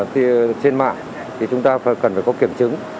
khi trên mạng thì chúng ta cần phải có kiểm chứng